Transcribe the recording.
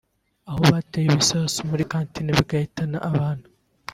aho hatewe ibisasu muri cantine bigahitana abantu